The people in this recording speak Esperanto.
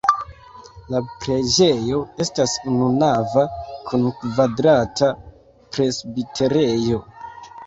La preĝejo estas ununava kun kvadrata presbiterejo.